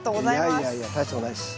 いやいやいや大したことないです。